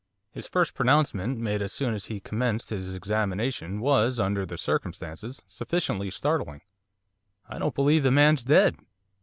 His first pronouncement, made as soon as he commenced his examination, was, under the circumstances, sufficiently startling. 'I don't believe the man's dead.